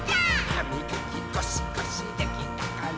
「はみがきゴシゴシできたかな？」